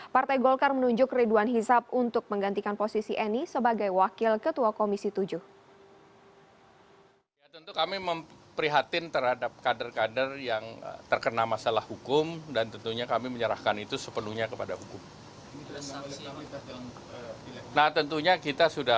partai golkar menunjuk ridwan hisap untuk menggantikan posisi eni sebagai wakil ketua komisi tujuh